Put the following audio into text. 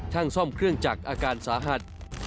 ช่างซ่อมเครื่องจักรอาการสาหัส